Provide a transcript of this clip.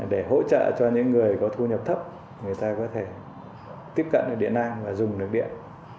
để hỗ trợ cho những người có thu nhập thấp người ta có thể tiếp cận được điện năng và dùng được điện